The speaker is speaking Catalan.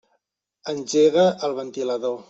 Engega el ventilador.